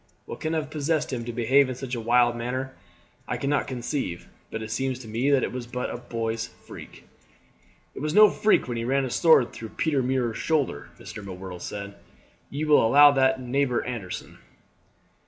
What can have possessed him to behave in such a wild manner I cannot conceive, but it seems to me that it was but a boy's freak." "It was no freak when he ran his sword through Peter Muir's shoulder," Mr. M'Whirtle said. "Ye will allow that, neighbour Anderson."